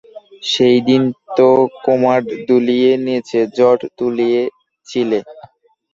সেদিন তো কোমড় দুলিয়ে, নেচে ঝড় তুলেছিলে।